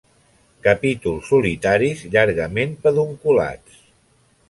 Capítols solitaris, llargament pedunculats.